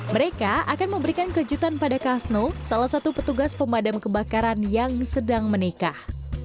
mereka akan memberikan kejutan pada kasno salah satu petugas pemadam kebakaran yang sedang menikah